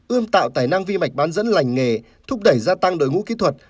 ươm tạo tài năng vi mạch bán dẫn lành nghề thúc đẩy gia tăng đội ngũ kỹ thuật